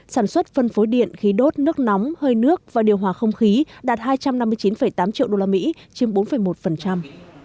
sản xuất phân phối điện khí đốt nước nóng hơi nước và điều hòa không khí đạt hai trăm năm mươi chín tám triệu usd chiếm bốn một